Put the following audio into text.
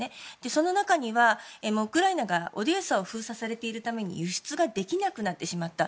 その中にはウクライナがオデーサを封鎖されているために輸出ができなくなってしまった。